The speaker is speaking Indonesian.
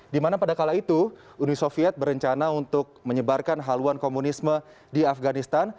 dimana pada kala itu uni soviet berencana untuk menyebarkan haluan komunisme di afganistan